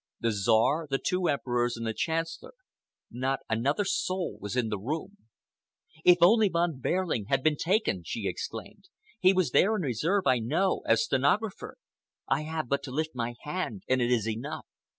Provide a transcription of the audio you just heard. The Czar, the two Emperors and the Chancellor,—not another soul was in the room." "If only Von Behrling had been taken!" she exclaimed. "He was there in reserve, I know, as stenographer. I have but to lift my hand and it is enough.